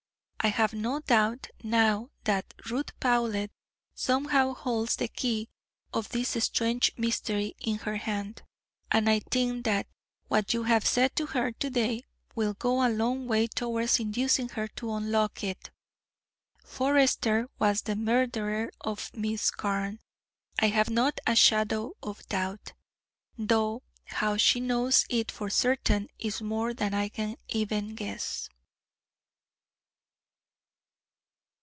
I have no doubt now that Ruth Powlett somehow holds the key of this strange mystery in her hand, and I think that what you have said to her to day will go a long way towards inducing her to unlock it. Forester was the murderer of Miss Carne, I have not a shadow of doubt, though how she knows it for certain is more than I can even guess."